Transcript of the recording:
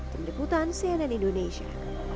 dendam dekutan cnn indonesia